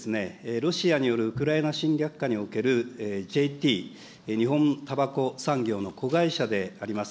それでは次にロシアによるウクライナにおけるＪＴ・日本たばこ産業の産業の子会社であります